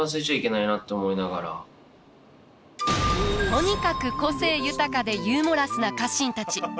とにかく個性豊かでユーモラスな家臣たち。